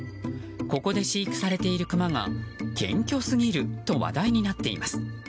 ここで飼育されているクマが謙虚すぎると話題になっています。